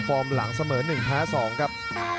ฟอร์มหลังเสมอ๑แพ้๒ครับ